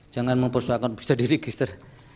jangan mempersoalkan bisa diregister